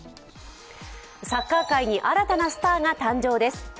サッカー界に新たなスターが誕生です。